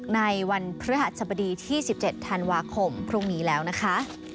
ในวันพฤหัสบดีที่๑๗ธันวาคมพรุ่งนี้แล้วนะคะ